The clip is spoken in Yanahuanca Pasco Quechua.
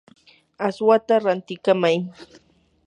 aswata rantikamay.